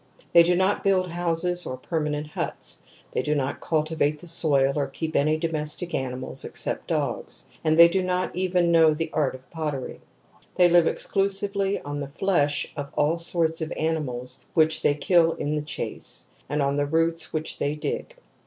They do not build houses or permanent huts ; they do not cultivate the soil or keep any domestic animals except dogs ; and they do not even know the art of pottery. They live exclu sively on the flesh of all sorts of animals which they kill in the chase, and on the roots which they dig.